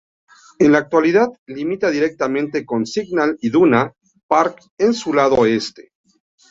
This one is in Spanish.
En la actualidad, limita directamente con el Signal Iduna Park en su lado este.